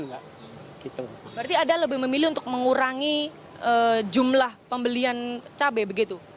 berarti anda lebih memilih untuk mengurangi jumlah pembelian cabai begitu